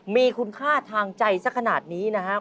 มีคุณค่าทางใจสักขนาดนี้นะครับ